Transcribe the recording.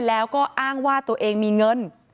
แล้วก็อ้างว่าตัวเองมีเงิน